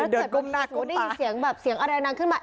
แล้วเกิดวันที่สุดได้ยินเสียงแบบเสียงอะไรนั่งขึ้นมา